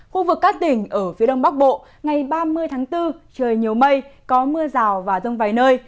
khu vực các tỉnh ở phía đông bắc bộ ngày ba mươi tháng bốn trời nhiều mây có mưa rào và rông vài nơi